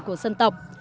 của sân tộc